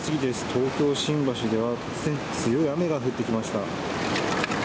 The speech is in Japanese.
東京・新橋では突然、強い雨が降ってきました。